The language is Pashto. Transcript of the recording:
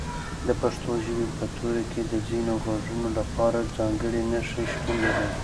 د پښتو ژبې په توري کې د ځینو غږونو لپاره ځانګړي نښې شتون لري.